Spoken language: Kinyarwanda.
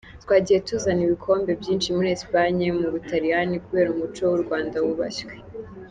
Twagiye tuzana ibikombe byinshi muri Espagne ,mu Butaliyani,…kubera umuco w’u Rwanda wubashywe”.